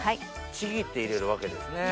ちぎって入れるわけですね。